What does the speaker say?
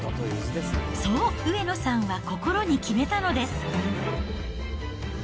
そう上野さんは心に決めたのです。